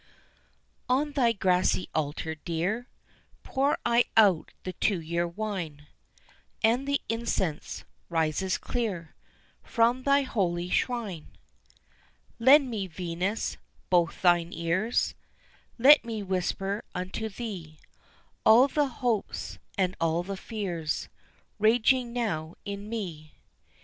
On thy grassy altar, dear, Pour I out the two year wine, And the incense rises clear From thy holy shrine. Lend me Venus, both thine ears; Let me whisper unto thee All the hopes and all the fears Raging now in me.